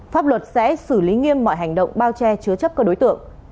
pháp luật sẽ xử lý nghiêm mọi hành động bao che chứa chấp các đối tượng